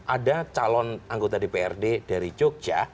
ada calon anggota dprd dari jogja